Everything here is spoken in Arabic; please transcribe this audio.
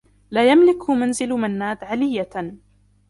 لا يملك منزل منّاد علّيّة.